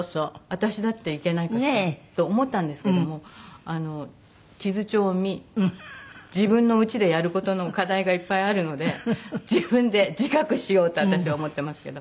私だって行けないかしらと思ったんですけども地図帳を見自分の家でやる事の課題がいっぱいあるので自分で自覚しようと私は思ってますけど。